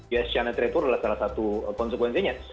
yes china trade war adalah salah satu konsekuensinya